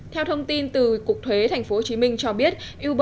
theo thông tin từ cục thuế tp hcm cho biết